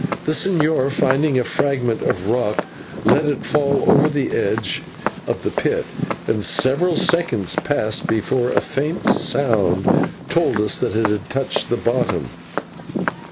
The señor, finding a fragment of rock, let it fall over the edge of the pit, and several seconds passed before a faint sound told us that it had touched the bottom.